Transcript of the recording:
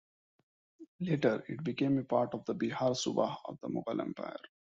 Later, it became a part of the Bihar Subah of the Mughal empire.